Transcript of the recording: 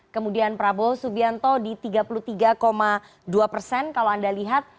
kemudian prabowo subianto di tiga puluh tiga dua persen kalau anda lihat